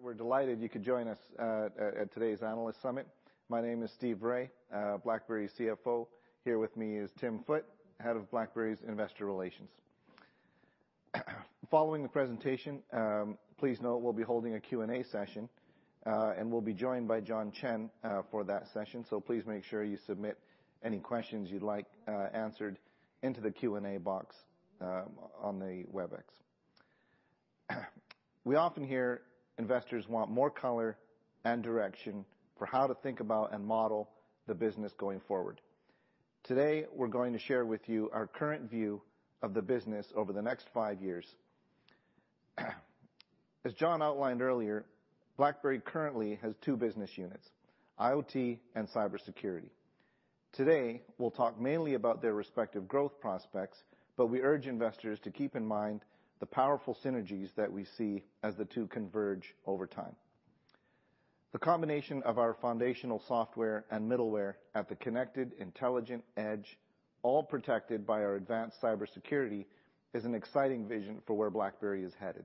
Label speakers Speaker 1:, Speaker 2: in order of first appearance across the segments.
Speaker 1: We're delighted you could join us at today's analyst summit. My name is Steve Rai, BlackBerry's CFO. Here with me is Tim Foote, Head of BlackBerry's investor relations. Following the presentation, please note we'll be holding a Q&A session, and we'll be joined by John Chen for that session, so please make sure you submit any questions you'd like answered into the Q&A box on the Webex. We often hear investors want more color and direction for how to think about and model the business going forward. Today, we're going to share with you our current view of the business over the next five years. As John outlined earlier, BlackBerry currently has two business units, IoT and cybersecurity. Today, we'll talk mainly about their respective growth prospects, but we urge investors to keep in mind the powerful synergies that we see as the two converge over time. The combination of our foundational software and middleware at the connected intelligent edge, all protected by our advanced cybersecurity, is an exciting vision for where BlackBerry is headed.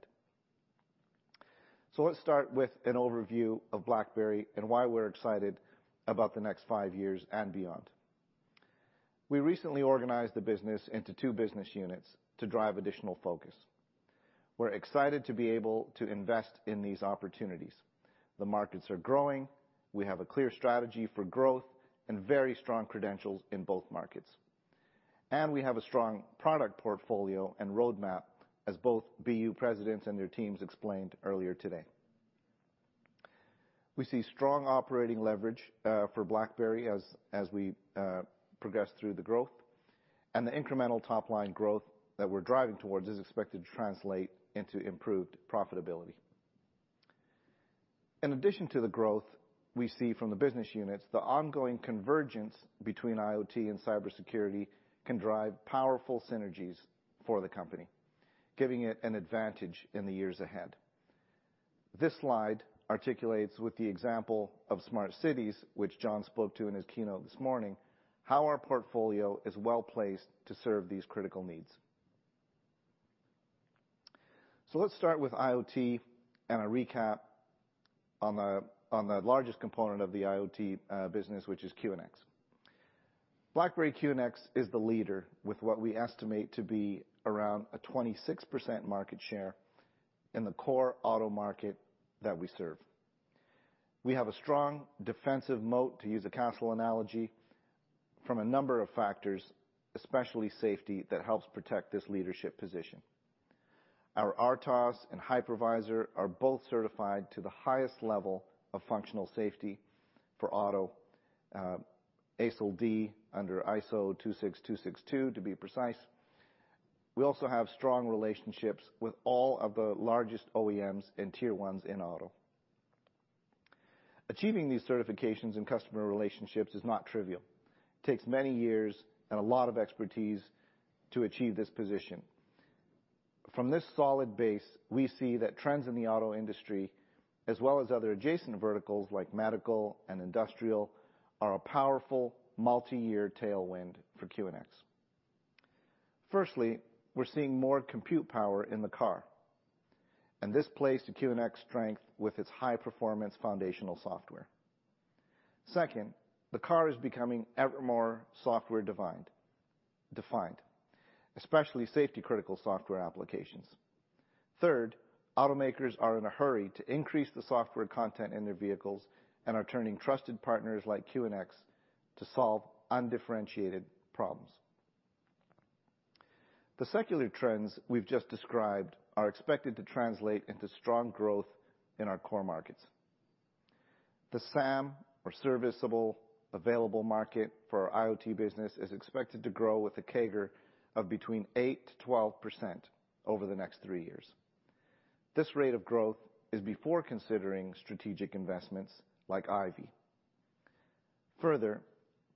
Speaker 1: Let's start with an overview of BlackBerry and why we're excited about the next five years and beyond. We recently organized the business into two business units to drive additional focus. We're excited to be able to invest in these opportunities. The markets are growing, we have a clear strategy for growth and very strong credentials in both markets. We have a strong product portfolio and roadmap as both BU presidents and their teams explained earlier today. We see strong operating leverage for BlackBerry as we progress through the growth, and the incremental top-line growth that we're driving towards is expected to translate into improved profitability. In addition to the growth we see from the business units, the ongoing convergence between IoT and cybersecurity can drive powerful synergies for the company, giving it an advantage in the years ahead. This slide articulates with the example of smart cities, which John spoke to in his keynote this morning, how our portfolio is well-placed to serve these critical needs. Let's start with IoT and a recap on the largest component of the IoT business, which is QNX. BlackBerry QNX is the leader with what we estimate to be around a 26% market share in the core auto market that we serve. We have a strong defensive moat, to use a castle analogy, from a number of factors, especially safety, that helps protect this leadership position. Our RTOS and Hypervisor are both certified to the highest level of functional safety for auto, ASIL D under ISO 26262 to be precise. We also have strong relationships with all of the largest OEMs and Tier 1s in auto. Achieving these certifications and customer relationships is not trivial. It takes many years and a lot of expertise to achieve this position. From this solid base, we see that trends in the auto industry, as well as other adjacent verticals like medical and industrial, are a powerful multi-year tailwind for QNX. Firstly, we're seeing more compute power in the car, and this plays to QNX strength with its high-performance foundational software. Second, the car is becoming ever more software-defined, especially safety-critical software applications. Third, automakers are in a hurry to increase the software content in their vehicles and are turning to trusted partners like QNX to solve undifferentiated problems. The secular trends we've just described are expected to translate into strong growth in our core markets. The SAM, or serviceable available market, for our IoT business is expected to grow with a CAGR of between 8%-12% over the next three years. This rate of growth is before considering strategic investments like IVY. Further,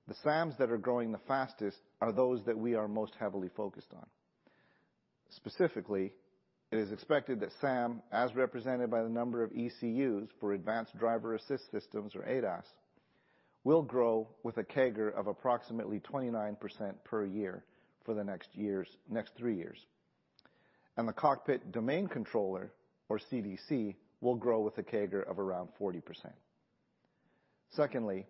Speaker 1: the SAMs that are growing the fastest are those that we are most heavily focused on. Specifically, it is expected that SAM, as represented by the number of ECUs for advanced driver-assistance systems, or ADAS, will grow with a CAGR of approximately 29% per year for the next three years. The cockpit domain controller, or CDC, will grow with a CAGR of around 40%. Secondly,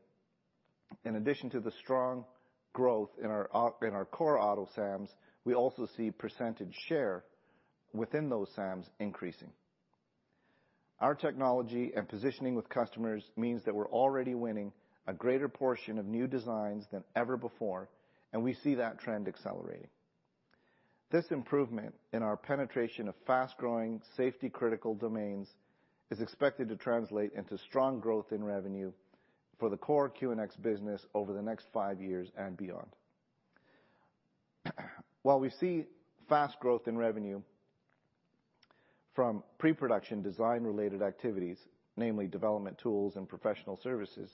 Speaker 1: in addition to the strong growth in our in our core auto SAMs, we also see percentage share within those SAMs increasing. Our technology and positioning with customers means that we're already winning a greater portion of new designs than ever before, and we see that trend accelerating. This improvement in our penetration of fast-growing, safety-critical domains is expected to translate into strong growth in revenue for the core QNX business over the next five years and beyond. While we see fast growth in revenue from pre-production design-related activities, namely development tools and professional services.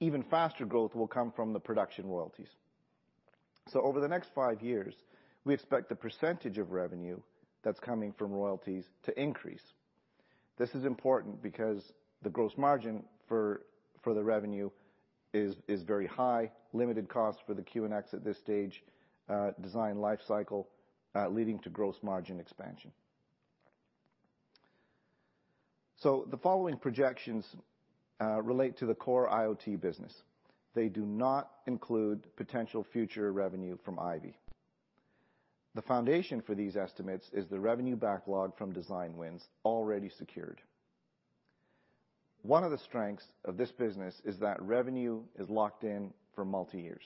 Speaker 1: Even faster growth will come from the production royalties. Over the next five years, we expect the percentage of revenue that's coming from royalties to increase. This is important because the gross margin for the revenue is very high, limited cost for the QNX at this stage, design life cycle, leading to gross margin expansion. The following projections relate to the core IoT business. They do not include potential future revenue from IVY. The foundation for these estimates is the revenue backlog from design wins already secured. One of the strengths of this business is that revenue is locked in for multi years.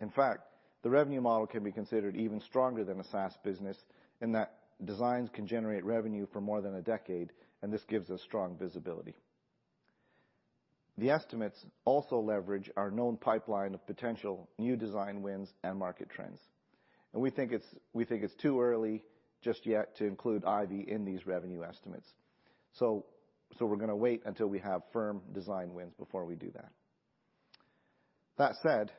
Speaker 1: In fact, the revenue model can be considered even stronger than a SaaS business in that designs can generate revenue for more than a decade, and this gives us strong visibility. The estimates also leverage our known pipeline of potential new design wins and market trends. We think it's too early just yet to include IVY in these revenue estimates. We're gonna wait until we have firm design wins before we do that. That said,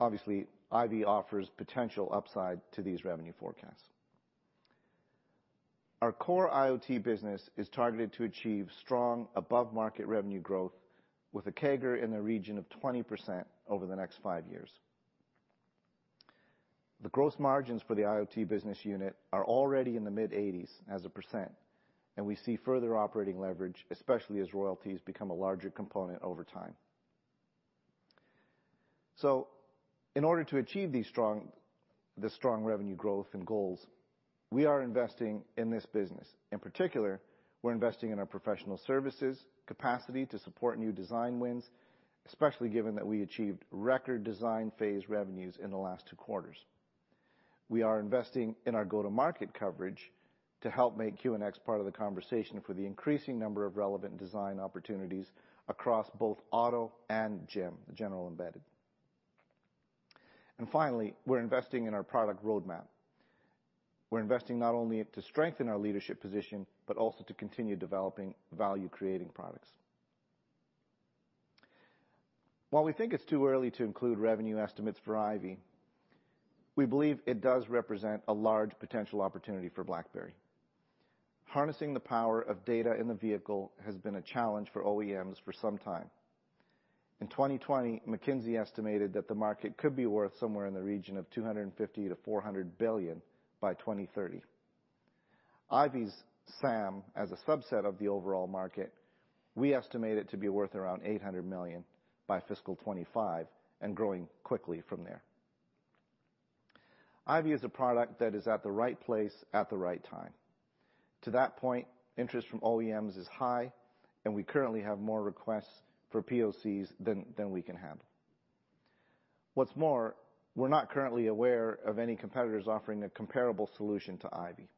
Speaker 1: obviously IVY offers potential upside to these revenue forecasts. Our core IoT business is targeted to achieve strong above-market revenue growth with a CAGR in the region of 20% over the next five years. The growth margins for the IoT business unit are already in the mid-80s%, and we see further operating leverage, especially as royalties become a larger component over time. In order to achieve these strong revenue growth and goals, we are investing in this business. In particular, we're investing in our professional services capacity to support new design wins, especially given that we achieved record design phase revenues in the last two quarters. We are investing in our go-to-market coverage to help make QNX part of the conversation for the increasing number of relevant design opportunities across both auto and GEM, general embedded. Finally, we're investing in our product roadmap. We're investing not only to strengthen our leadership position, but also to continue developing value-creating products. While we think it's too early to include revenue estimates for IVY, we believe it does represent a large potential opportunity for BlackBerry. Harnessing the power of data in the vehicle has been a challenge for OEMs for some time. In 2020, McKinsey estimated that the market could be worth somewhere in the region of $250 billion-$400 billion by 2030. IVY's SAM as a subset of the overall market, we estimate it to be worth around $800 million by fiscal 2025 and growing quickly from there. IVY is a product that is at the right place at the right time. To that point, interest from OEMs is high, and we currently have more requests for POCs than we can handle. What's more, we're not currently aware of any competitors offering a comparable solution to IVY.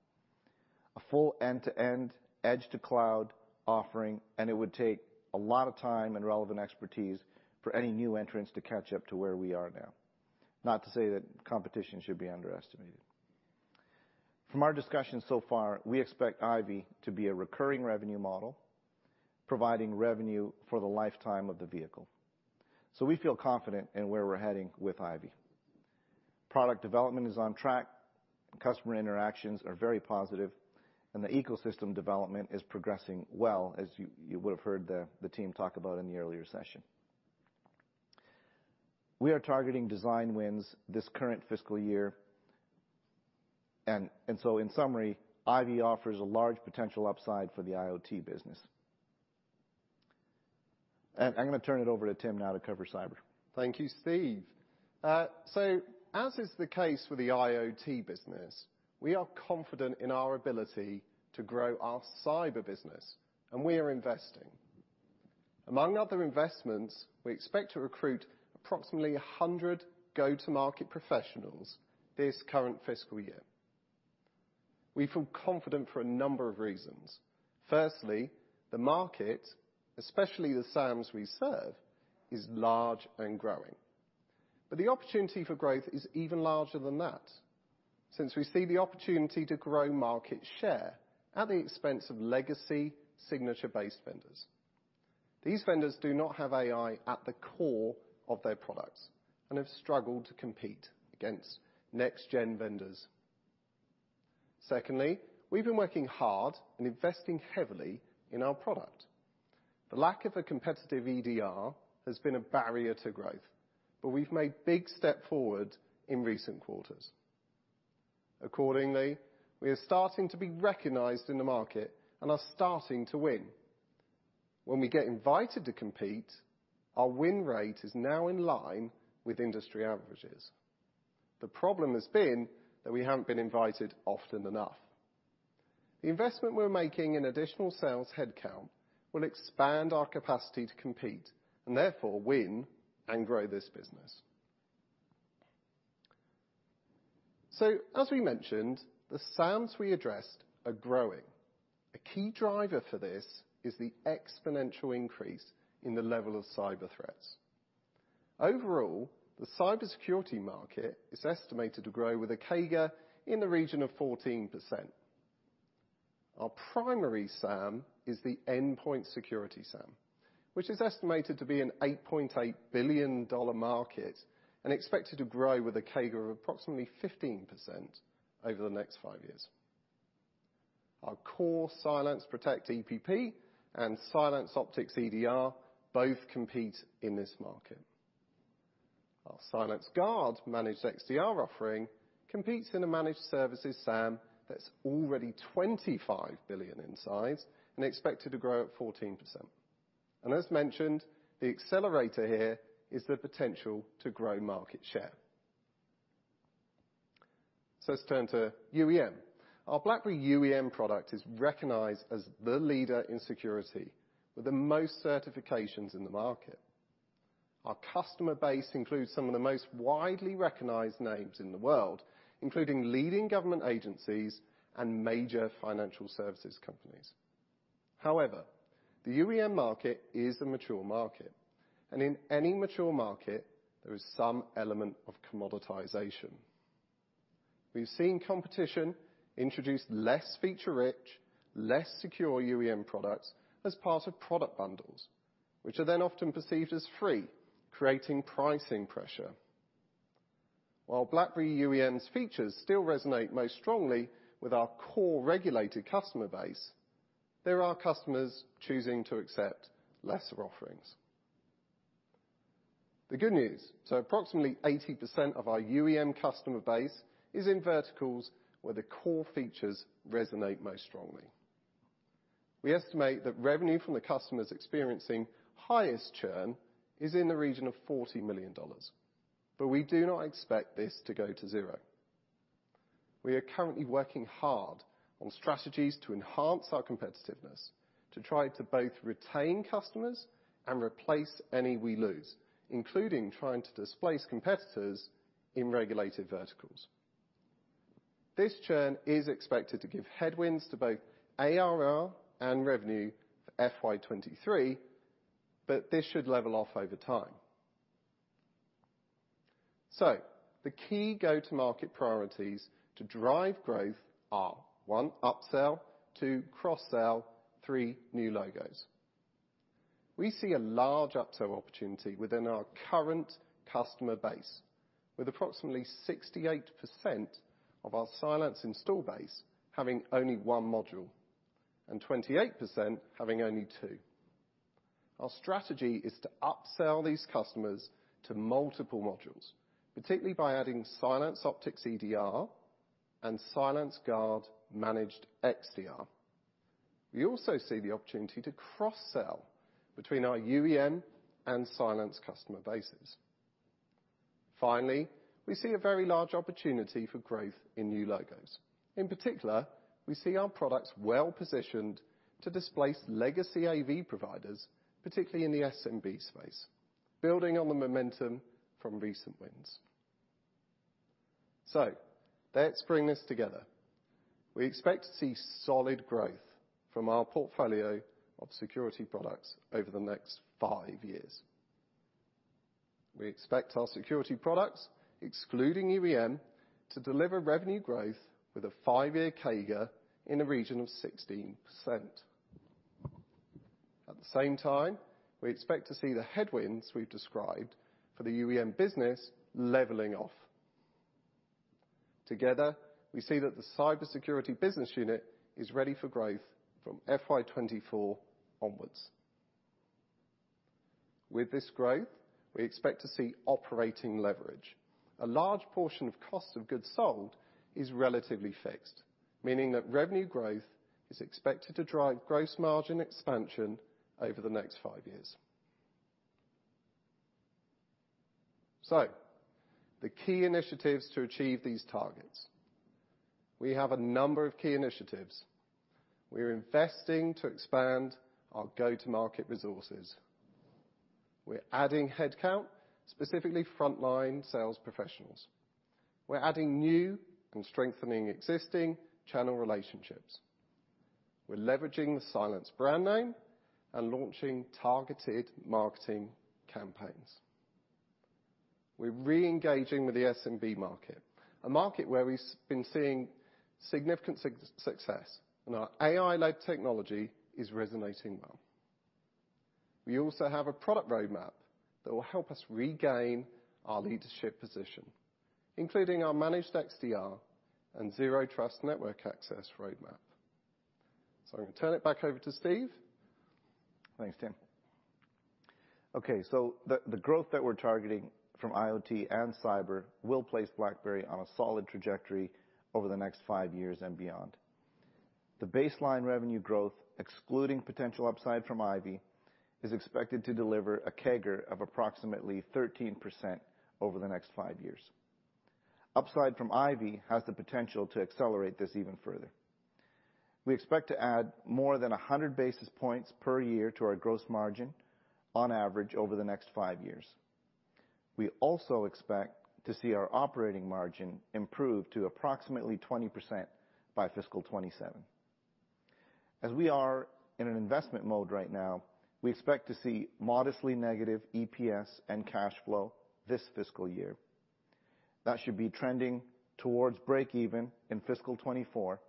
Speaker 1: A full end-to-end, edge-to-cloud offering, and it would take a lot of time and relevant expertise for any new entrants to catch up to where we are now. Not to say that competition should be underestimated. From our discussions so far, we expect IVY to be a recurring revenue model, providing revenue for the lifetime of the vehicle. We feel confident in where we're heading with IVY. Product development is on track, customer interactions are very positive, and the ecosystem development is progressing well, as you would've heard the team talk about in the earlier session. We are targeting design wins this current fiscal year. In summary, IVY offers a large potential upside for the IoT business. I'm gonna turn it over to Tim now to cover cyber.
Speaker 2: Thank you, Steve. As is the case for the IoT business, we are confident in our ability to grow our cyber business, and we are investing. Among other investments, we expect to recruit approximately 100 go-to-market professionals this current fiscal year. We feel confident for a number of reasons. Firstly, the market, especially the SAMs we serve, is large and growing. The opportunity for growth is even larger than that, since we see the opportunity to grow market share at the expense of legacy signature-based vendors. These vendors do not have AI at the core of their products and have struggled to compete against next gen vendors. Secondly, we've been working hard and investing heavily in our product. The lack of a competitive EDR has been a barrier to growth, but we've made big step forward in recent quarters. Accordingly, we are starting to be recognized in the market and are starting to win. When we get invited to compete, our win rate is now in line with industry averages. The problem has been that we haven't been invited often enough. The investment we're making in additional sales headcount will expand our capacity to compete, and therefore win and grow this business. As we mentioned, the SAMs we addressed are growing. A key driver for this is the exponential increase in the level of cyber threats. Overall, the cybersecurity market is estimated to grow with a CAGR in the region of 14%. Our primary SAM is the endpoint security SAM, which is estimated to be an $8.8 billion market and expected to grow with a CAGR of approximately 15% over the next five years. Our core CylancePROTECT EPP and CylanceOPTICS EDR both compete in this market. Our CylanceGUARD Managed XDR offering competes in a managed services SAM that's already $25 billion in size and expected to grow at 14%. As mentioned, the accelerator here is the potential to grow market share. Let's turn to UEM. Our BlackBerry UEM product is recognized as the leader in security with the most certifications in the market. Our customer base includes some of the most widely recognized names in the world, including leading government agencies and major financial services companies. However, the UEM market is a mature market, and in any mature market, there is some element of commoditization. We've seen competition introduce less feature-rich, less secure UEM products as part of product bundles, which are then often perceived as free, creating pricing pressure. While BlackBerry UEM's features still resonate most strongly with our core regulated customer base, there are customers choosing to accept lesser offerings. The good news, so approximately 80% of our UEM customer base is in verticals where the core features resonate most strongly. We estimate that revenue from the customers experiencing highest churn is in the region of $40 million, but we do not expect this to go to zero. We are currently working hard on strategies to enhance our competitiveness to try to both retain customers and replace any we lose, including trying to displace competitors in regulated verticals. This churn is expected to give headwinds to both ARR and revenue for FY 2023, but this should level off over time. The key go-to market priorities to drive growth are, one, upsell, two, cross-sell, three, new logos. We see a large upsell opportunity within our current customer base, with approximately 68% of our Cylance install base having only one module and 28% having only two. Our strategy is to upsell these customers to multiple modules, particularly by adding CylanceOPTICS EDR and CylanceGUARD Managed XDR. We also see the opportunity to cross-sell between our UEM and Cylance customer bases. Finally, we see a very large opportunity for growth in new logos. In particular, we see our products well-positioned to displace legacy AV providers, particularly in the SMB space, building on the momentum from recent wins. Let's bring this together. We expect to see solid growth from our portfolio of security products over the next five years. We expect our security products, excluding UEM, to deliver revenue growth with a five-year CAGR in the region of 16%. At the same time, we expect to see the headwinds we've described for the UEM business leveling off. Together, we see that the cybersecurity business unit is ready for growth from FY2024 onwards. With this growth, we expect to see operating leverage. A large portion of cost of goods sold is relatively fixed, meaning that revenue growth is expected to drive gross margin expansion over the next five years. The key initiatives to achieve these targets. We have a number of key initiatives. We're investing to expand our go-to market resources. We're adding headcount, specifically frontline sales professionals. We're adding new and strengthening existing channel relationships. We're leveraging the Cylance brand name and launching targeted marketing campaigns. We're re-engaging with the SMB market, a market where we've been seeing significant success, and our AI-led technology is resonating well. We also have a product roadmap that will help us regain our leadership position, including our managed XDR and Zero Trust Network Access roadmap. I'm gonna turn it back over to Steve.
Speaker 1: Thanks, Tim. Okay, the growth that we're targeting from IoT and cyber will place BlackBerry on a solid trajectory over the next five years and beyond. The baseline revenue growth, excluding potential upside from IVY, is expected to deliver a CAGR of approximately 13% over the next five years. Upside from IVY has the potential to accelerate this even further. We expect to add more than 100 basis points per year to our gross margin on average over the next five years. We also expect to see our operating margin improve to approximately 20% by fiscal 2027. As we are in an investment mode right now, we expect to see modestly negative EPS and cash flow this fiscal year. That should be trending towards break even in fiscal 2024,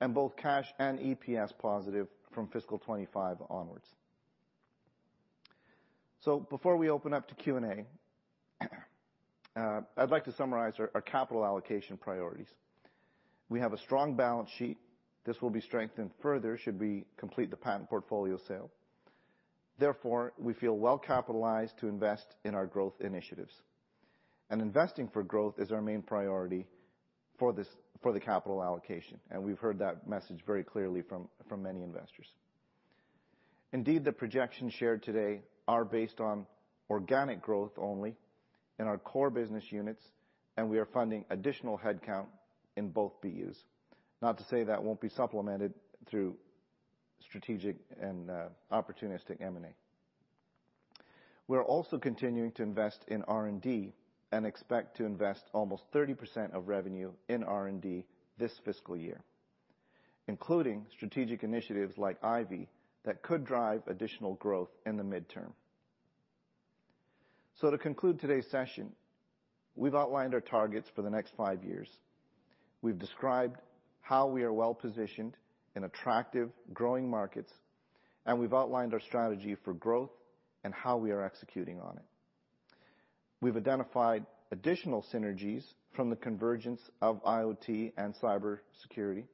Speaker 1: and both cash and EPS positive from fiscal 2025 onwards. Before we open up to Q&A, I'd like to summarize our capital allocation priorities. We have a strong balance sheet. This will be strengthened further should we complete the patent portfolio sale. Therefore, we feel well capitalized to invest in our growth initiatives. Investing for growth is our main priority for this, for the capital allocation, and we've heard that message very clearly from many investors. Indeed, the projections shared today are based on organic growth only in our core business units, and we are funding additional headcount in both BUs. Not to say that won't be supplemented through strategic and opportunistic M&A. We're also continuing to invest in R&D and expect to invest almost 30% of revenue in R&D this fiscal year, including strategic initiatives like IVY that could drive additional growth in the midterm. To conclude today's session, we've outlined our targets for the next five years. We've described how we are well-positioned in attractive growing markets, and we've outlined our strategy for growth and how we are executing on it. We've identified additional synergies from the convergence of IoT and cybersecurity,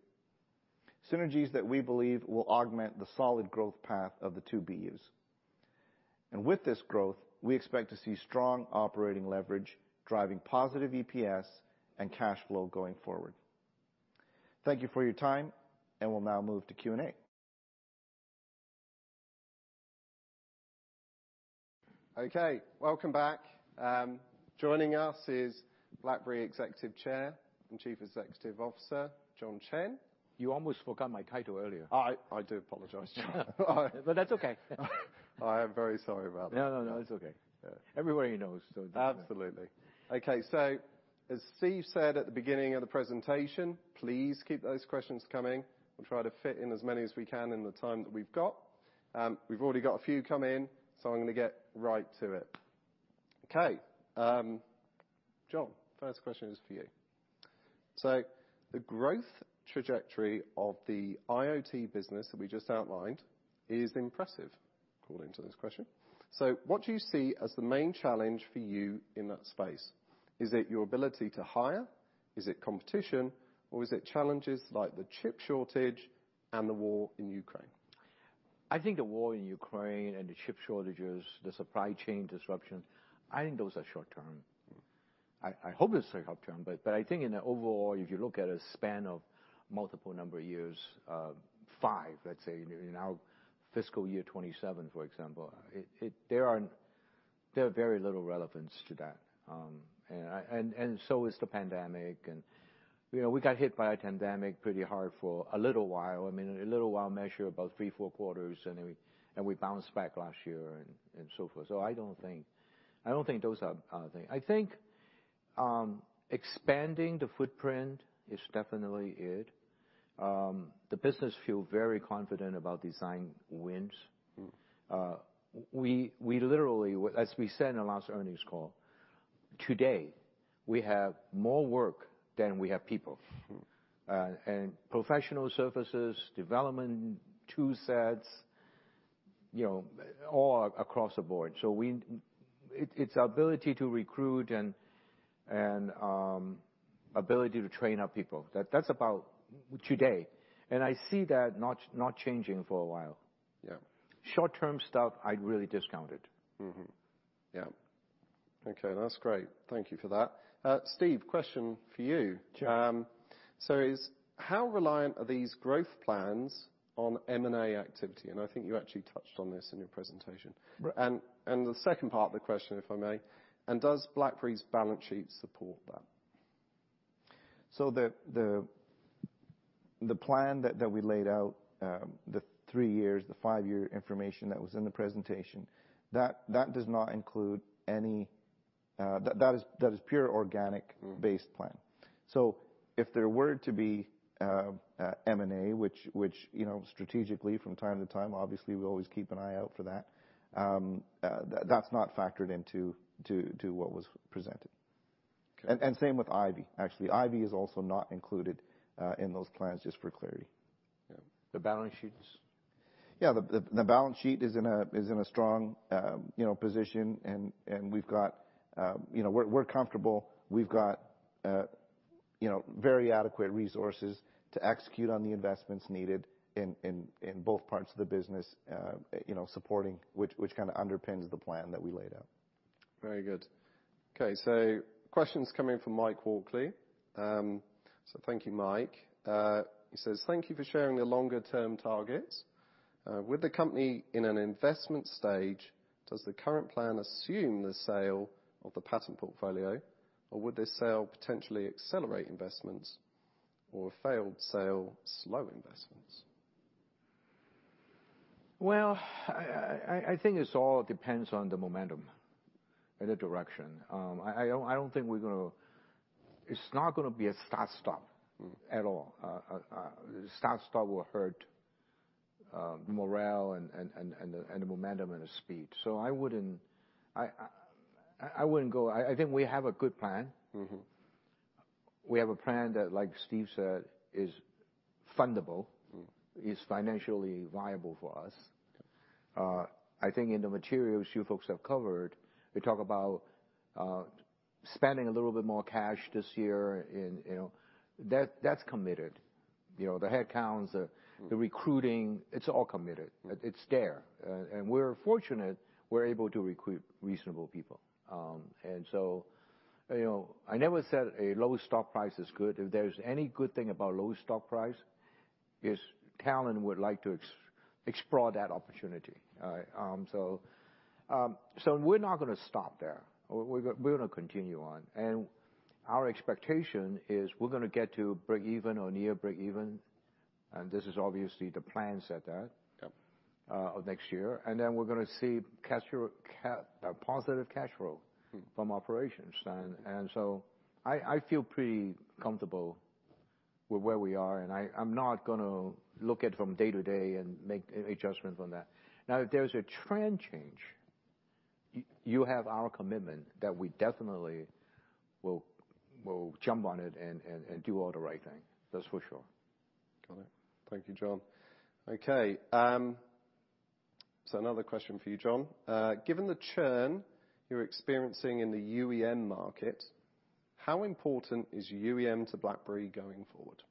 Speaker 1: synergies that we believe will augment the solid growth path of the two BUs. With this growth, we expect to see strong operating leverage, driving positive EPS and cash flow going forward. Thank you for your time, and we'll now move to Q&A.
Speaker 2: Okay, welcome back. Joining us is BlackBerry Executive Chairman and CEO, John Chen.
Speaker 3: You almost forgot my title earlier.
Speaker 2: I do apologize, John.
Speaker 3: That's okay.
Speaker 2: I am very sorry about that.
Speaker 3: No, no. It's okay.
Speaker 2: Yeah.
Speaker 3: Everybody knows, so it doesn't matter.
Speaker 2: Absolutely. Okay. As Steve said at the beginning of the presentation, please keep those questions coming. We'll try to fit in as many as we can in the time that we've got. We've already got a few come in, so I'm gonna get right to it. Okay. John, first question is for you. The growth trajectory of the IoT business that we just outlined is impressive, according to this question. What do you see as the main challenge for you in that space? Is it your ability to hire? Is it competition? Or is it challenges like the chip shortage and the war in Ukraine?
Speaker 3: I think the war in Ukraine and the chip shortages, the supply chain disruptions, I think those are short-term. I hope it's short-term, but I think in the overall, if you look at a span of multiple number of years, five, let's say, in our fiscal year 2027, for example, they have very little relevance to that. The pandemic is too. You know, we got hit by a pandemic pretty hard for a little while, I mean, a little while measured about three, four quarters, and we bounced back last year and so forth. I don't think those are a thing. I think expanding the footprint is definitely it. The business feels very confident about design wins.
Speaker 2: Mm.
Speaker 3: We literally, as we said in the last earnings call, today, we have more work than we have people.
Speaker 2: Mm.
Speaker 3: Professional services, development toolsets, you know, all across the board. It's ability to recruit and ability to train our people. That's about today. I see that not changing for a while.
Speaker 2: Yeah.
Speaker 3: Short-term stuff I'd really discount it.
Speaker 2: Mm-hmm. Yeah. Okay. That's great. Thank you for that. Steve, question for you.
Speaker 1: Sure.
Speaker 2: How reliant are these growth plans on M&A activity? I think you actually touched on this in your presentation.
Speaker 1: Right.
Speaker 2: The second part of the question, if I may, does BlackBerry's balance sheet support that?
Speaker 1: The plan that we laid out, the three years, the five year information that was in the presentation, that does not include any, that is pure organic.
Speaker 2: Mm.
Speaker 1: -based plan. If there were to be M&A, which you know, strategically from time to time, obviously we always keep an eye out for that's not factored into to what was presented.
Speaker 2: Okay.
Speaker 1: Same with IVY. Actually, IVY is also not included in those plans, just for clarity.
Speaker 2: Yeah.
Speaker 3: The balance sheets?
Speaker 1: Yeah. The balance sheet is in a strong, you know, position and we've got, you know, we're comfortable. We've got, you know, very adequate resources to execute on the investments needed in both parts of the business, you know, supporting which kind of underpins the plan that we laid out.
Speaker 2: Very good. Okay, questions coming from Mike Walkley. Thank you, Mike. He says, "Thank you for sharing the longer term targets. With the company in an investment stage, does the current plan assume the sale of the patent portfolio, or would this sale potentially accelerate investments or a failed sale slow investments?
Speaker 3: Well, I think this all depends on the momentum and the direction. I don't think it's not gonna be a start-stop.
Speaker 2: Mm.
Speaker 3: At all. A start-stop will hurt morale and the momentum and the speed. I wouldn't go. I think we have a good plan.
Speaker 2: Mm-hmm.
Speaker 3: We have a plan that, like Steve said, is fundable.
Speaker 2: Mm.
Speaker 3: Is financially viable for us. I think in the materials you folks have covered, we talk about spending a little bit more cash this year in, you know, that's committed. You know, the headcounts, the-
Speaker 2: Mm
Speaker 3: The recruiting, it's all committed.
Speaker 2: Yeah.
Speaker 3: It's there. We're fortunate we're able to recruit reasonable people. You know, I never said a low stock price is good. If there's any good thing about low stock price, is talent would like to explore that opportunity. All right? We're not gonna stop there. We're gonna continue on. Our expectation is we're gonna get to break even or near break even, and this is obviously the plan set out.
Speaker 2: Yep
Speaker 3: next year. Then we're gonna see positive cash flow.
Speaker 2: Mm
Speaker 3: from operations. I feel pretty comfortable with where we are, and I'm not gonna look at from day to day and make any adjustments on that. Now, if there's a trend change, you have our commitment that we definitely will jump on it and do all the right thing. That's for sure.
Speaker 2: Got it. Thank you, John. Okay. another question for you, John. Given the churn you're experiencing in the UEM market, how important is UEM to BlackBerry going forward?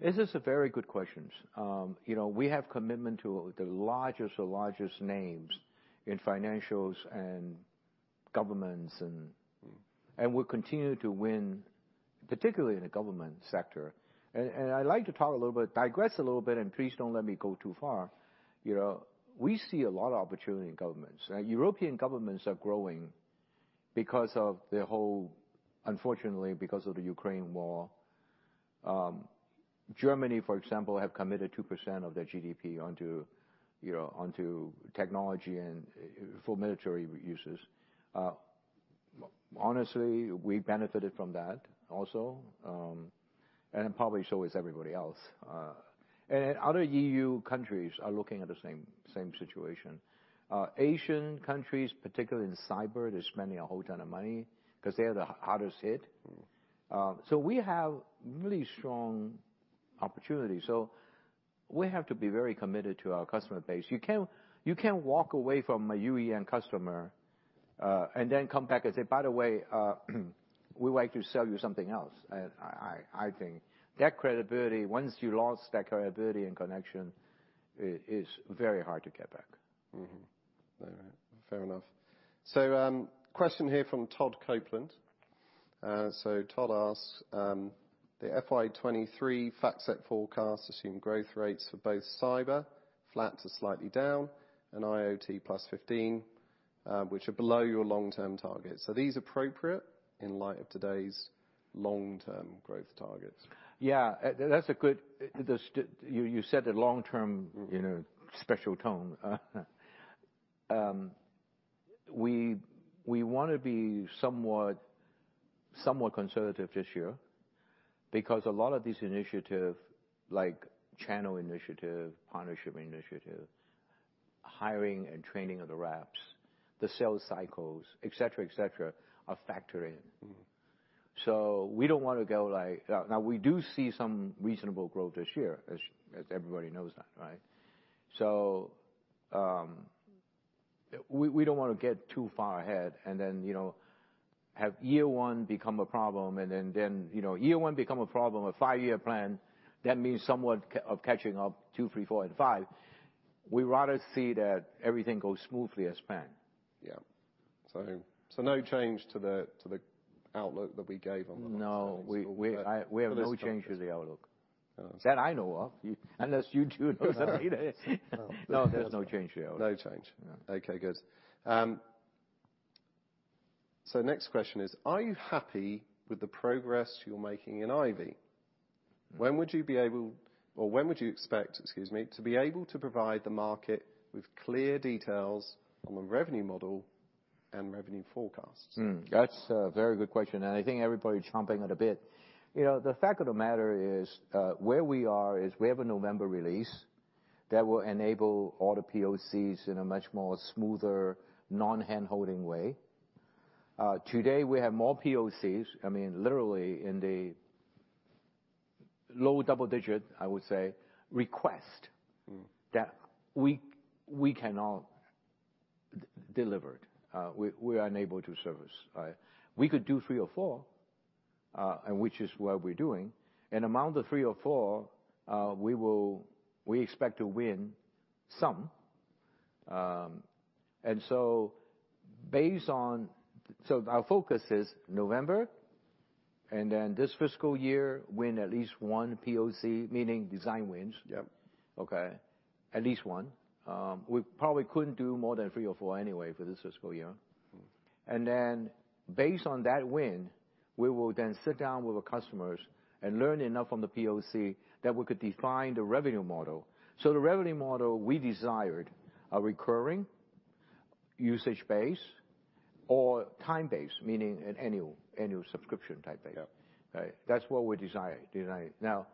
Speaker 3: This is a very good question. You know, we have commitment to the largest of the largest names in financials and governments.
Speaker 2: Mm
Speaker 3: We're continuing to win, particularly in the government sector. I'd like to talk a little bit, digress a little bit, and please don't let me go too far. You know, we see a lot of opportunity in governments. European governments are growing because of the whole, unfortunately, because of the Ukraine war. Germany, for example, have committed 2% of their GDP to, you know, to technology and for military uses. Honestly, we benefited from that also. And probably so has everybody else. Other EU countries are looking at the same situation. Asian countries, particularly in cyber, they're spending a whole ton of money because they're the hardest hit.
Speaker 2: Mm.
Speaker 3: We have really strong opportunities. We have to be very committed to our customer base. You can't walk away from a UEM customer, and then come back and say, "By the way, we would like to sell you something else." I think that credibility, once you lost that credibility and connection is very hard to get back.
Speaker 2: All right. Fair enough. Question here from Todd Coupland. Todd asks, the FY2023 FactSet forecast assume growth rates for both cyber, flat to slightly down, and IoT +15%, which are below your long-term targets. Are these appropriate in light of today's long-term growth targets?
Speaker 3: Yeah. That's a good. You said it long-term.
Speaker 2: Mm...
Speaker 3: in a special tone. We wanna be somewhat conservative this year because a lot of these initiative, like channel initiative, partnership initiative, hiring and training of the reps, the sales cycles, et cetera, are factored in.
Speaker 2: Mm.
Speaker 3: Now, we do see some reasonable growth this year, as everybody knows that, right? We don't wanna get too far ahead and then, you know, have year one become a problem, a five year plan, that means somewhat catching up two, three, four and five. We'd rather see that everything goes smoothly as planned.
Speaker 2: Yeah. No change to the outlook that we gave on the last earnings call?
Speaker 3: No. We
Speaker 2: But
Speaker 3: We have no change to the outlook.
Speaker 2: All right.
Speaker 3: That I know of. You know, unless you do know something.
Speaker 2: No.
Speaker 3: No, there's no change to the outlook.
Speaker 2: No change.
Speaker 3: No.
Speaker 2: Okay. Good. Next question is, are you happy with the progress you're making in IVY?
Speaker 3: Mm.
Speaker 2: When would you expect, excuse me, to be able to provide the market with clear details on the revenue model and revenue forecasts?
Speaker 3: That's a very good question, and I think everybody's chomping at the bit. You know, the fact of the matter is, where we are is we have a November release that will enable all the POCs in a much more smoother, non-handholding way. Today we have more POCs, I mean, literally in the low double digit, I would say, requests.
Speaker 2: Mm
Speaker 3: that we cannot deliver it. We are unable to service, right? We could do three or four, and which is what we're doing. Among the three or four, we expect to win some. Based on. Our focus is November, and then this fiscal year win at least one POC, meaning design wins.
Speaker 2: Yep.
Speaker 3: Okay? At least one. We probably couldn't do more than three or four anyway for this fiscal year.
Speaker 2: Mm.
Speaker 3: Based on that win, we will then sit down with the customers and learn enough from the POC that we could define the revenue model. The revenue model we desired are recurring usage based or time based, meaning an annual subscription type thing.
Speaker 2: Yeah.
Speaker 3: Right? That's what we desire. Now,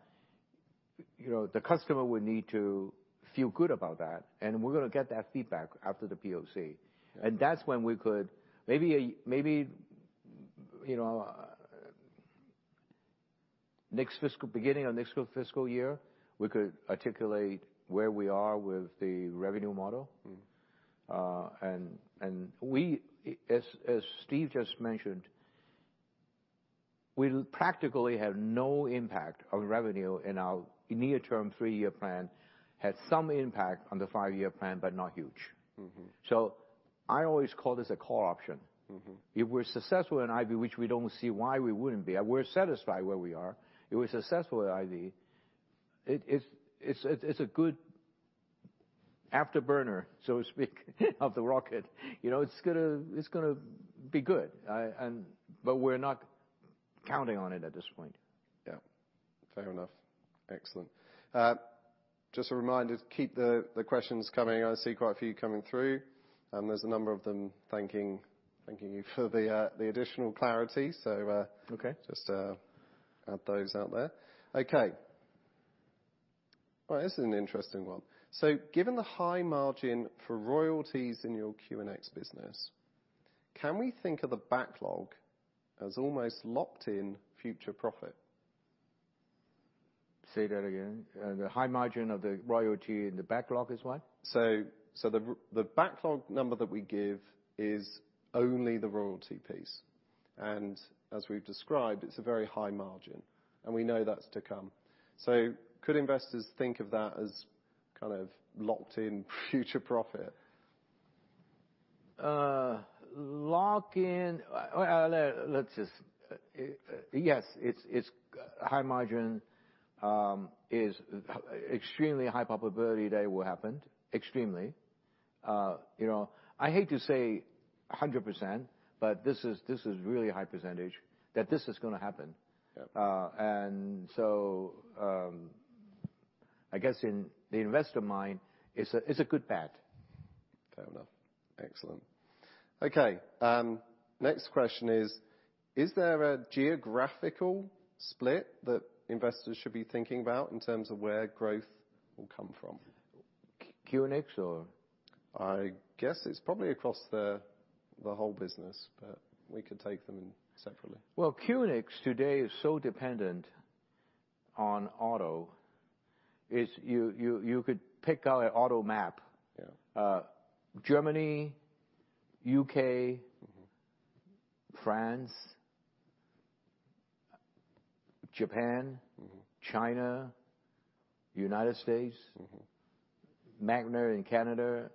Speaker 3: you know, the customer would need to feel good about that, and we're gonna get that feedback after the POC.
Speaker 2: Yeah.
Speaker 3: That's when we could maybe, you know, beginning of next fiscal year, we could articulate where we are with the revenue model.
Speaker 2: Mm-hmm.
Speaker 3: As Steve just mentioned, we'll practically have no impact on revenue in our near term three-year plan. Have some impact on the five year plan, but not huge.
Speaker 2: Mm-hmm.
Speaker 3: I always call this a call option.
Speaker 2: Mm-hmm.
Speaker 3: If we're successful in IVY, which we don't see why we wouldn't be, we're satisfied where we are. If we're successful at IVY, it's a good afterburner, so to speak, of the rocket. You know, it's gonna be good. But we're not counting on it at this point.
Speaker 2: Yeah. Fair enough. Excellent. Just a reminder to keep the questions coming. I see quite a few coming through. There's a number of them thanking you for the additional clarity.
Speaker 3: Okay
Speaker 2: Just add those out there. Okay. Well, this is an interesting one. Given the high margin for royalties in your QNX business, can we think of the backlog as almost locked in future profit?
Speaker 3: Say that again. The high margin of the royalty in the backlog is what?
Speaker 2: So the backlog number that we give is only the royalty piece. As we've described, it's a very high margin, and we know that's to come. Could investors think of that as kind of locked in future profit?
Speaker 3: Locked in. Yes, it's high margin, is extremely high probability that it will happen. Extremely. You know, I hate to say 100%, but this is really a high percentage that this is gonna happen.
Speaker 2: Yeah.
Speaker 3: I guess in the investor mind, it's a good bet.
Speaker 2: Fair enough. Excellent. Okay, next question is there a geographical split that investors should be thinking about in terms of where growth will come from?
Speaker 3: QNX or?
Speaker 2: I guess it's probably across the whole business, but we could take them separately.
Speaker 3: Well, QNX today is so dependent on auto, you could pick out an auto OEM.
Speaker 2: Yeah.
Speaker 3: Germany, U.K.
Speaker 2: Mm-hmm
Speaker 3: France, Japan-
Speaker 2: Mm-hmm
Speaker 3: China, United States.
Speaker 2: Mm-hmm
Speaker 3: Magna in Canada,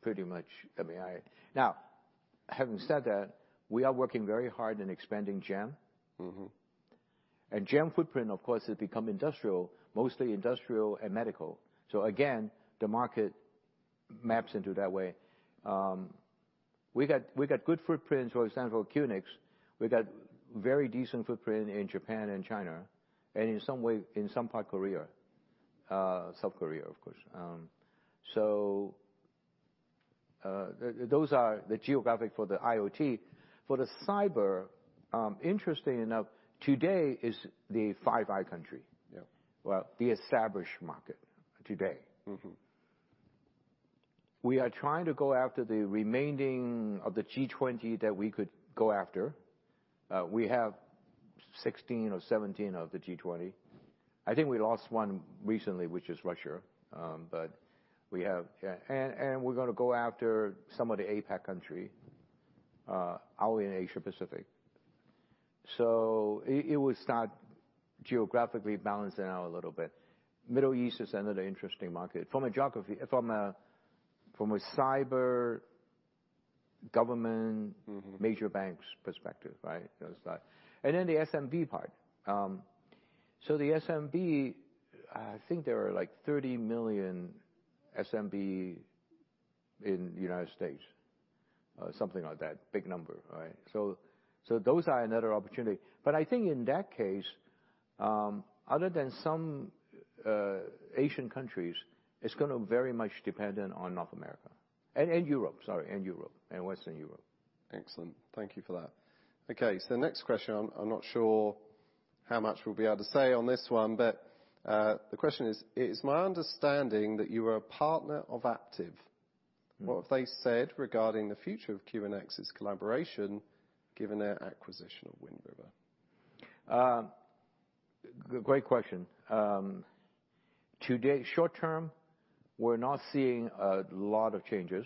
Speaker 3: pretty much, I mean, now, having said that, we are working very hard in expanding GEM.
Speaker 2: Mm-hmm.
Speaker 3: GEM footprint, of course, has become industrial, mostly industrial and medical. Again, the market maps into that way. We got good footprints, for example, QNX, we got very decent footprint in Japan and China and in some way, in some part Korea, South Korea, of course. Those are the geographic for the IoT. For the cyber, interesting enough, today is the Five Eyes country.
Speaker 2: Yeah.
Speaker 3: Well, the established market today.
Speaker 2: Mm-hmm.
Speaker 3: We are trying to go after the remaining of the G20 that we could go after. We have 16 or 17 of the G20. I think we lost one recently, which is Russia. We're gonna go after some of the APAC country, all in Asia-Pacific. It will start geographically balancing out a little bit. Middle East is another interesting market from a geography, from a cyber government.
Speaker 2: Mm-hmm
Speaker 3: Major banks perspective, right? That's that. Then the SMB part. The SMB, I think there are like 30 million SMB in United States, something like that. Big number, right? Those are another opportunity. I think in that case, other than some Asian countries, it's gonna very much dependent on North America and Europe. Sorry, and Europe, and Western Europe.
Speaker 2: Excellent. Thank you for that. Okay, so the next question, I'm not sure how much we'll be able to say on this one, but, the question is: It is my understanding that you are a partner of Aptiv.
Speaker 3: Mm-hmm.
Speaker 2: What have they said regarding the future of QNX's collaboration given their acquisition of Wind River?
Speaker 3: Great question. Today, short term, we're not seeing a lot of changes,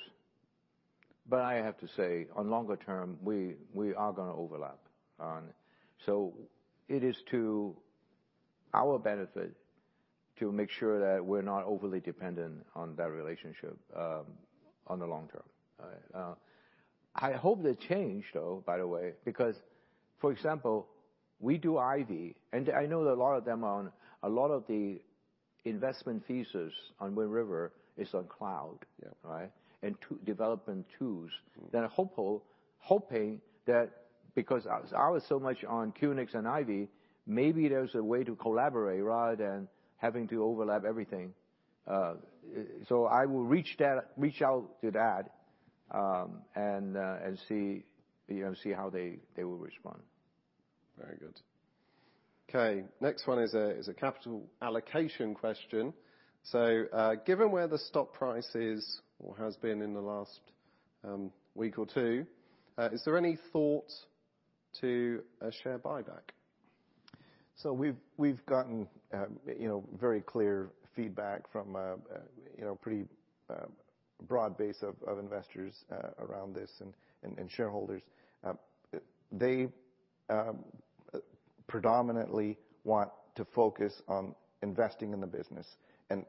Speaker 3: but I have to say, on longer term, we are gonna overlap on. It is to our benefit to make sure that we're not overly dependent on that relationship, on the long term. I hope they change, though, by the way, because, for example, we do IVY, and I know that a lot of them on a lot of the investment thesis on Wind River is on cloud.
Speaker 2: Yeah.
Speaker 3: Right? To developing tools.
Speaker 2: Mm-hmm.
Speaker 3: They are hopeful, hoping that because our is so much on QNX and IVY, maybe there's a way to collaborate rather than having to overlap everything. I will reach out to that and see, you know, how they will respond.
Speaker 2: Very good. Okay, next one is a capital allocation question. Given where the stock price is or has been in the last week or two, is there any thought to a share buyback?
Speaker 3: We've gotten, you know, very clear feedback from a, you know, pretty broad base of investors around this and shareholders. They predominantly want to focus on investing in the business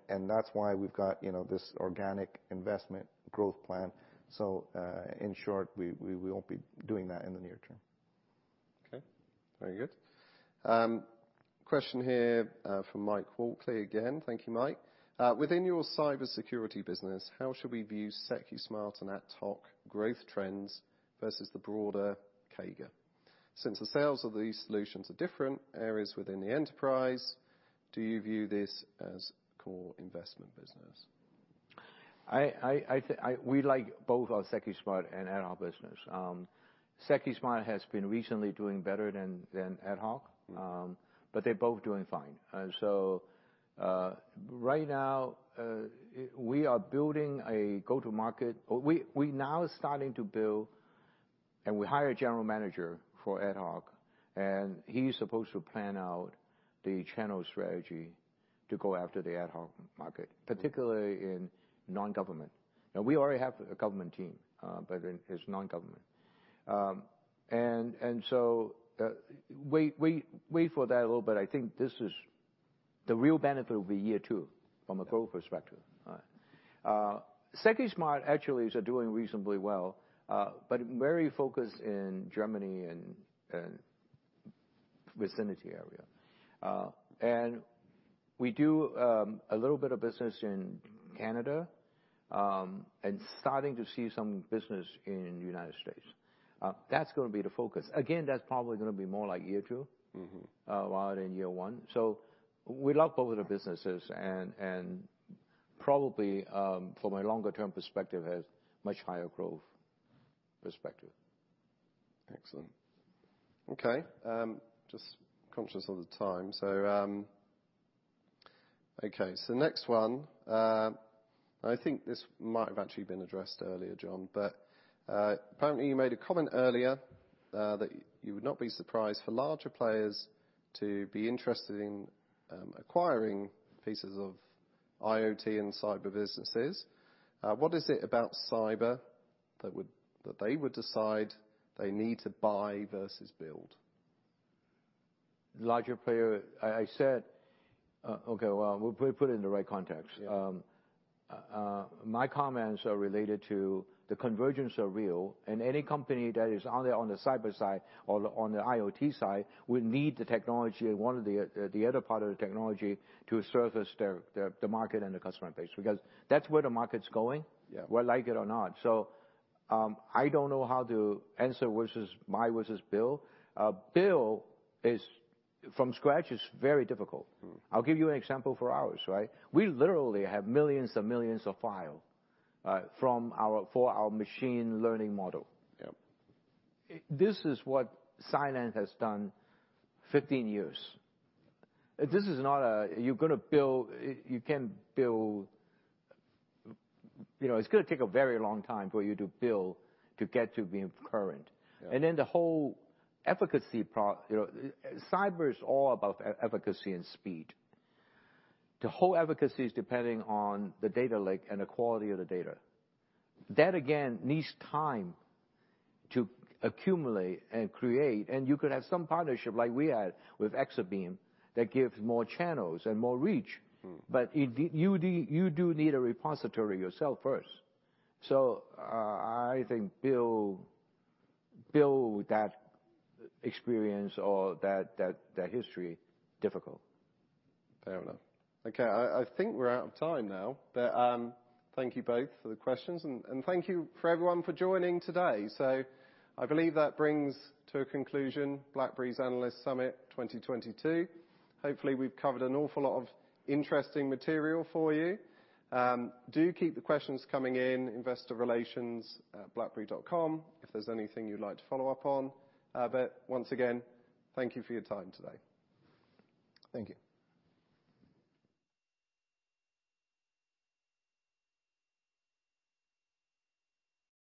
Speaker 3: and that's why we've got, you know, this organic investment growth plan. In short, we won't be doing that in the near term.
Speaker 2: Okay. Very good. Question here from Mike Walkley again. Thank you, Mike. Within your cybersecurity business, how should we view Secusmart and AtHoc growth trends versus the broader CAGR? Since the sales of these solutions are different areas within the enterprise, do you view this as core investment business?
Speaker 3: We like both our Secusmart and AtHoc business. Secusmart has been recently doing better than AtHoc.
Speaker 2: Mm-hmm.
Speaker 3: They're both doing fine. Right now, we now are starting to build, and we hired a general manager for AtHoc, and he's supposed to plan out the channel strategy to go after the AtHoc market, particularly in non-government. Now, we already have a government team, but it's non-government. Wait for that a little, but I think this is the real benefit will be year two from a growth perspective. Secusmart actually is doing reasonably well, but very focused in Germany and vicinity area. We do a little bit of business in Canada, and starting to see some business in United States. That's gonna be the focus. Again, that's probably gonna be more like year two.
Speaker 2: Mm-hmm
Speaker 3: Rather than year one. We love both of the businesses and probably from a longer term perspective has much higher growth perspective.
Speaker 2: Excellent. Okay. Just conscious of the time. Next one, and I think this might have actually been addressed earlier, John, but apparently you made a comment earlier that you would not be surprised for larger players to be interested in acquiring pieces of IoT and cyber businesses. What is it about cyber that they would decide they need to buy versus build?
Speaker 3: Larger player, I said. Okay, well, we'll put it in the right context.
Speaker 2: Yeah.
Speaker 3: My comments are related to the convergence are real, and any company that is only on the cyber side or on the IoT side will need the technology or one of the other part of the technology to service their the market and the customer base, because that's where the market's going.
Speaker 2: Yeah
Speaker 3: ...whether, like it or not. I don't know how to answer buy versus build. Build from scratch is very difficult.
Speaker 2: Mm.
Speaker 3: I'll give you an example for ours, right? We literally have millions and millions of files for our machine learning model.
Speaker 2: Yep.
Speaker 3: This is what Cylance has done 15 years. This is not a you're gonna build. You can build. You know, it's gonna take a very long time for you to build to get to being current.
Speaker 2: Yeah.
Speaker 3: You know, cyber is all about efficacy and speed. The whole efficacy is depending on the data lake and the quality of the data. That, again, needs time to accumulate and create, and you could have some partnership like we had with Exabeam that gives more channels and more reach.
Speaker 2: Mm.
Speaker 3: You do need a repository yourself first. I think build that experience or that history, difficult.
Speaker 2: Fair enough. Okay. I think we're out of time now. Thank you both for the questions, and thank you for everyone for joining today. I believe that brings to a conclusion BlackBerry's Analyst Summit 2022. Hopefully, we've covered an awful lot of interesting material for you. Do keep the questions coming in, investorrelations@blackberry.com if there's anything you'd like to follow up on. Once again, thank you for your time today.
Speaker 3: Thank you.